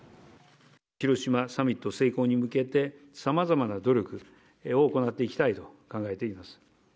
広島サミット成功に向けて、さまざまな努力を行っていきたいと考えています。